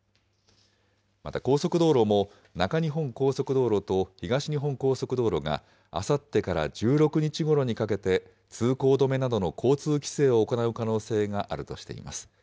また高速道路も中日本高速道路と東日本高速道路があさってから１６日ごろにかけて、通行止めなどの交通規制を行う可能性があるとしています。